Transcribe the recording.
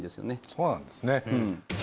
そうなんですね